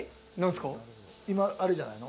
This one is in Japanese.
今あれじゃないの？